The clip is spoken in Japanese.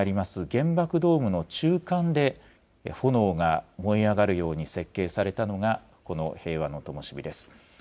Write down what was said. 原爆ドームの中間で炎が燃え上がるように設計されたのがこの平和のともし火です。